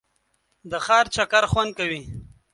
د ښار چکر خوند کوي.